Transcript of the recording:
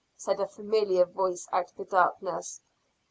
said a familiar voice out of the darkness.